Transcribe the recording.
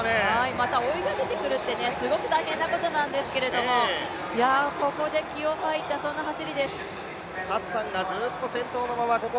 また追い上げてくるってすごく大変なことなんですけど、ここで気を吐いた、そんな走りです